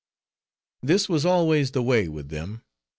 This was always the way with them.